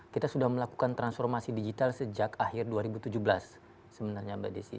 kita sudah melakukan transformasi digital sejak akhir dua ribu tujuh belas sebenarnya mbak desi